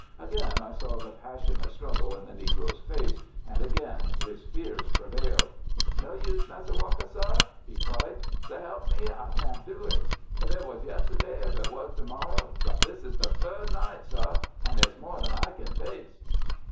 Again I saw the passionate struggle in the negro's face, and again his fears prevailed. "No use, Massa Walker, sah!" he cried. "S'elp me, I can't do it. If it was yesterday or if it was to morrow, but this is the third night, sah, an' it's more than I can face."